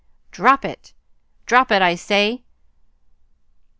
"Drop it! Drop it, I say!"